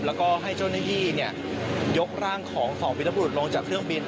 แล้วก็ให้เจ้าหน้าที่ยกร่างของสองวิรบุรุษลงจากเครื่องบิน